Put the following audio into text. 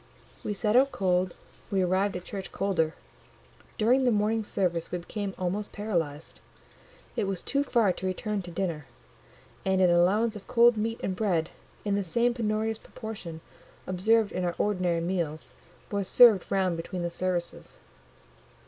We set out cold, we arrived at church colder: during the morning service we became almost paralysed. It was too far to return to dinner, and an allowance of cold meat and bread, in the same penurious proportion observed in our ordinary meals, was served round between the services.